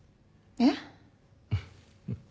えっ？